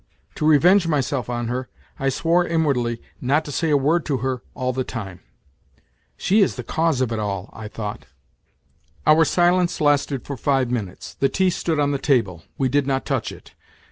To revenge myself on her I swore inwardly not to say a word to her all the time. " She is the cause of it all," I thought. Our silence lasted for five minutes. The tea stood on the table ; we did not touch it.